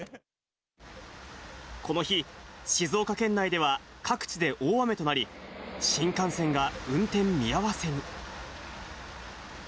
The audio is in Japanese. この日、静岡県内では各地で大雨となり、新幹線が運転見合わせに。